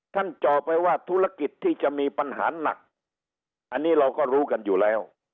จ่อไปว่าธุรกิจที่จะมีปัญหาหนักอันนี้เราก็รู้กันอยู่แล้ว